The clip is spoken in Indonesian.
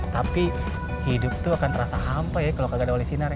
tapi hidup tuh akan terasa hampa ya kalo kagak ada oli sinar ya